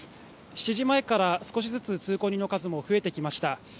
７時前から、少しずつ通行人の数も増えてきました。